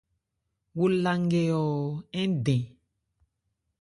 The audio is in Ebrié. O la nkɛ ɔɔ ń dɛn.